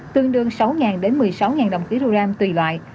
tương đương sáu một mươi sáu đồng kg tùy loại